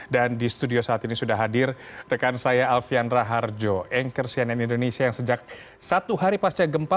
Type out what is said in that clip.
dan di studio saat ini sudah hadir rekan saya alfian raharjo yang sejak satu hari pasca gempa